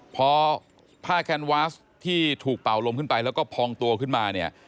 พอผ้าแคนวาสที่ถูกเป่าลมขึ้นไปแล้วก็พองตัวขึ้นมาเนี่ย